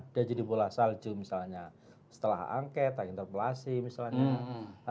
dia jadi bola salju misalnya setelah anget tak interpolasi misalnya